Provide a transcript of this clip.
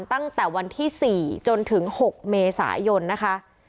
ตั้งแต่วันที่๔จนถึง๖เมษายนนะคะ